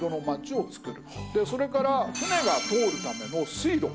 それから船が通るための水路。